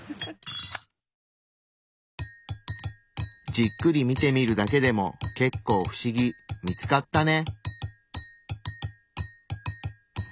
じっくり見てみるだけでも結構不思議見つかったね。